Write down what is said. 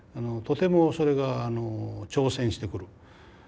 とてもそれが挑戦してくる。